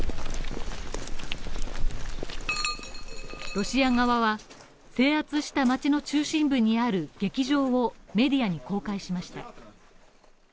ロシア側は制圧した街の中心部にある劇場をメディアに公開しました。